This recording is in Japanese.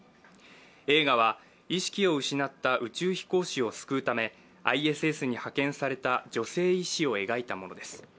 映画は意識を失った宇宙飛行士を救うためＩＳＳに派遣された女性医師を描いたものです。